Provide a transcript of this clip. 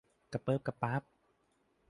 กะเปิ๊บกะป๊าบ